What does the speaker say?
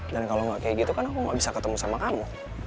dan kalau gak kayak gitu kan aku gak bisa ketemu sama kamu